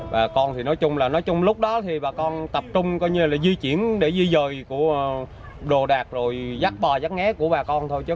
bà con thì nói chung là nói chung lúc đó thì bà con tập trung coi như là di chuyển để di rời của đồ đạc rồi giác bò giác ngé của bà con thôi